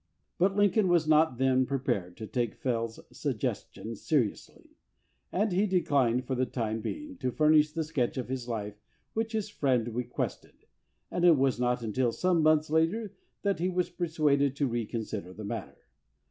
But Lincoln was not then prepared to take Fell's suggestion seriously, and he declined for the time being to furnish the sketch of his life which his friend requested, and it was not until some months later that he was persuaded to re consider the matter.